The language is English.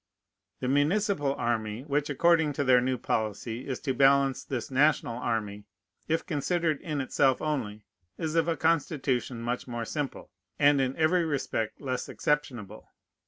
The municipal army, which, according to their new policy, is to balance this national army, if considered in itself only, is of a constitution much more simple, and in every respect less exceptionable.